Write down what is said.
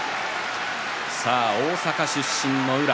大阪出身の宇良。